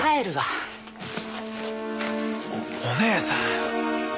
お姉さん。